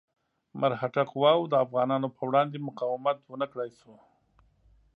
مرهټه قواوو د افغانانو په وړاندې مقاومت ونه کړای شو.